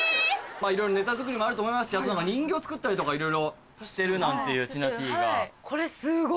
いろいろネタ作りもあると思いますし人形作ったりとかいろいろしてるなんていうちなていが。